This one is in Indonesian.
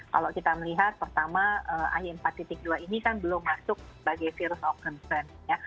kalau kita melihat pertama ay empat dua ini kan belum masuk sebagai virus of conference